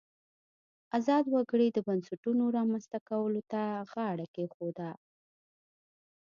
ازاد وګړي د بنسټونو رامنځته کولو ته غاړه کېښوده.